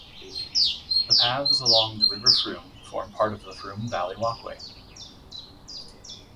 The paths along the River Frome form part of the Frome Valley Walkway.